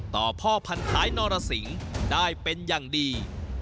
ต่อพ่อพันธายนรสิงห์ได้เป็นอย่างดี